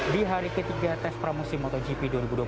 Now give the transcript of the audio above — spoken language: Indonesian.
di hari ketiga tes pramusim motogp dua ribu dua puluh tiga